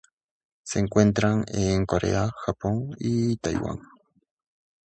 Se encuentra en Corea, Japón, y Taiwán.